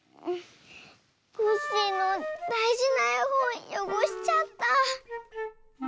コッシーのだいじなえほんよごしちゃった。